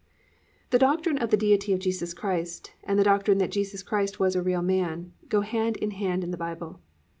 The doctrine of the Deity of Jesus Christ and the doctrine that Jesus Christ was a real man, go hand in hand in the Bible.